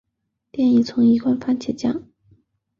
影片从一罐蕃茄酱罐头的晚餐开始。